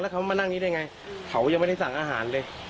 เขามานั่งนี้ได้ไงเขายังไม่ได้สั่งอาหารเลย